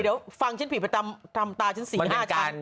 เดี๋ยวพางฉันผิดไปทำตาฉันเสียห้าชาร์ต